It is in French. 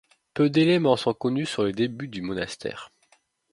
Peu d'éléments sont connus sur les débuts du monastère.